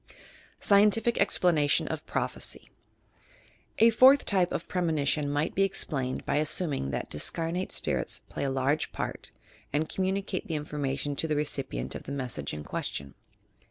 SCIENTIFIC EXPLANATION OP PROPHBCT A fourth type of premonition might be explained by assuming that discamate spirits play a large part and communicate the information to the recipient of the mes sage in question.